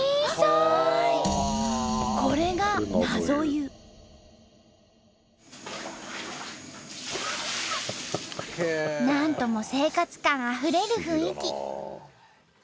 これがなんとも生活感あふれる雰囲気。